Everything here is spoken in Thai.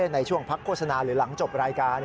ในช่วงพักโฆษณาหรือหลังจบรายการ